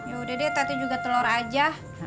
yaudah de tadi juga telor aja